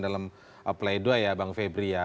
di play doh ya bang febri ya